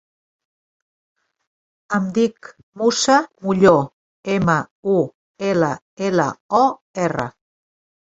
Em dic Musa Mullor: ema, u, ela, ela, o, erra.